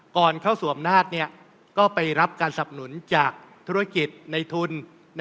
ก่อนเข้าสู่อำนาจก็ไปรับการสับหนุนจากธุรกิจในทุน